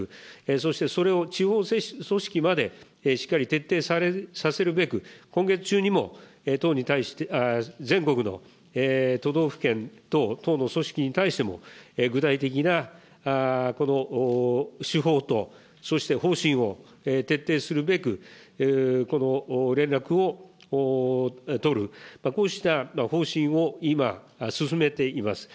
そして、それを地方組織までしっかり徹底させるべく、今月中にも、党に対して、全国の都道府県等の組織に対しても具体的な手法と、そして方針を徹底するべく連絡を取る、こうした方針を今、進めています。